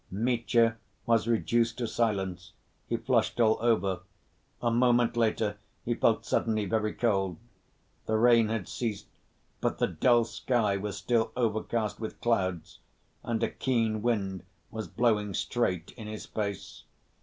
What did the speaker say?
Mitya was reduced to silence. He flushed all over. A moment later he felt suddenly very cold. The rain had ceased, but the dull sky was still overcast with clouds, and a keen wind was blowing straight in his face.